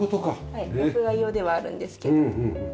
はい屋外用ではあるんですけど。